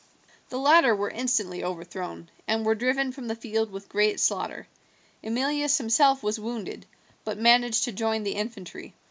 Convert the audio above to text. The latter were instantly overthrown, and were driven from the field with great slaughter. Emilius himself was wounded, but managed to join the infantry.